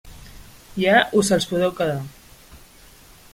Ja us els podeu quedar.